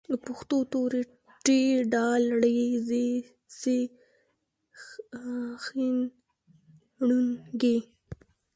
د پښتو توري: ټ، ډ، ړ، ځ، څ، ښ، ڼ، ږ